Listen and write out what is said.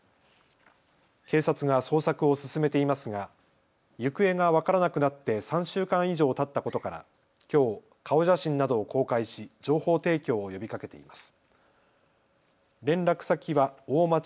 警察が捜索を進めていますが行方が分からなくなって３週間以上たったことからきょう顔写真などを公開し情報提供を呼びかけています。